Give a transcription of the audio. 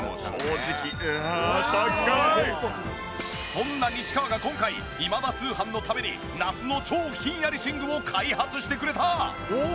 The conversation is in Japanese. そんな西川が今回『今田通販』のために夏の超ひんやり寝具を開発してくれた！